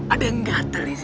ada yang gatel